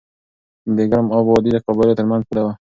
د ګرم آب وادي د قبایلو ترمنځ پوله وه.